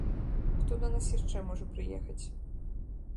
Хто да нас яшчэ можа прыехаць?